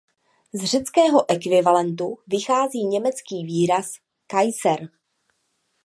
Z řeckého ekvivalentu vychází německý výraz "Kaiser".